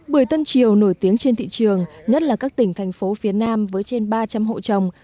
bưởi tân triều nổi tiếng trên thị trường nhất là các tỉnh thành phố phía nam với trên ba trăm linh hộ trồng